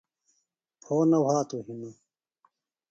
پھو نہ وھاتوۡ ہِنوۡ